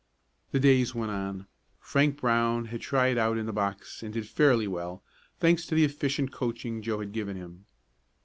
The days went on. Frank Brown was tried out in the box and did fairly well, thanks to the efficient coaching Joe had given him.